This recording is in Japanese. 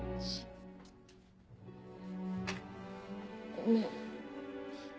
ごめん。